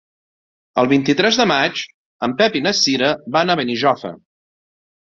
El vint-i-tres de maig en Pep i na Cira van a Benijòfar.